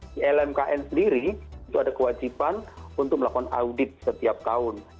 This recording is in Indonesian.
di lmkn sendiri itu ada kewajiban untuk melakukan audit setiap tahun